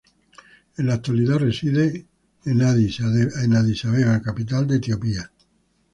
En la actualidad reside en Adís Abeba, capital de Etiopía.